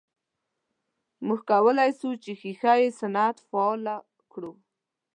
موږ کولای سو چې ښیښه یي صنعت فعال کړو.